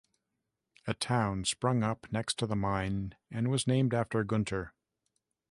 A town sprung up next to the mine and was named after Gunter.